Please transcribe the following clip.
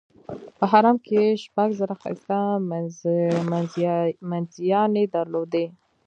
په حرم کې یې شپږ زره ښایسته مینځیاني درلودې.